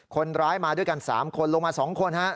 คนร้ายมาด้วยกัน๓คนลงมา๒คนครับ